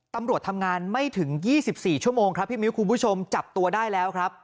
ตำรวจทำงานไม่ถึง๒๔ชั่วโมงครับพี่มิ้วคุณผู้ชมจับตัวได้แล้วครับ